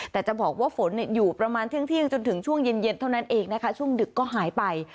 แต่จะบอกว่าฝนอยู่ประมาณเที่ยงจนถึงช่วงเย็นเท่านั้นเองนะคะช่วงดึกก็หายไป